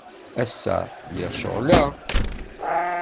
Ass-a, lliɣ ceɣleɣ.